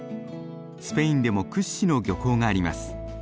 スペインでも屈指の漁港があります。